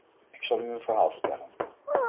Ik zal u een verhaal vertellen.